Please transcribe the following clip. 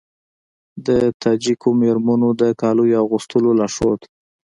د تاجیکي میرمنو د کالیو اغوستلو لارښود